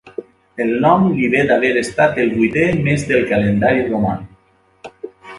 El nom li ve d'haver estat el vuitè mes del calendari romà.